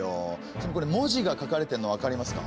しかもこれ文字が書かれてんのわかりますか？